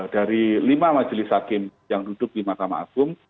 dari lima majelis hakim yang duduk di mahkamah agung